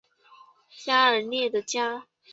加雅涅的家。